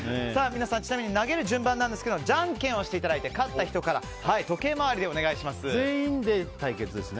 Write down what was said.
皆さんちなみに投げる順番なんですがじゃんけんをしていただいて勝った人から全員で対決ですね。